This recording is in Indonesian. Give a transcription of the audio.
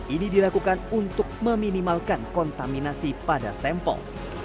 ini dilakukan untuk meminimalkan kontaminasi pada sampel